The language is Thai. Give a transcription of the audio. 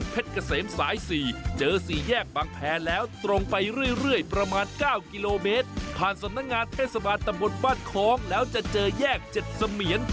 ผ่านสนักงานเทศบาทตำบลบ้านคลองแล้วจะเจอแยกเจ็ดเสมียน